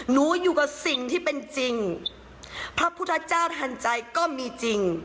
อยู่กับสิ่งที่เป็นจริงพระพุทธเจ้าทันใจก็มีจริง